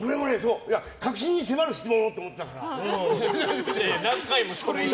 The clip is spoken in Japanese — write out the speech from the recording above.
核心に迫る質問をって思ってたから。